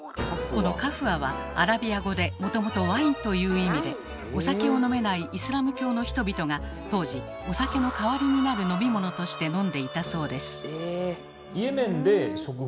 この「カフワ」はアラビア語でもともと「ワイン」という意味でお酒を飲めないイスラム教の人々が当時お酒の代わりになる飲み物として飲んでいたそうです。